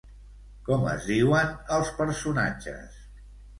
Com es diuen els personatges?